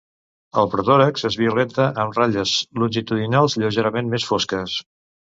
El protòrax és violeta amb ratlles longitudinals lleugerament més fosques.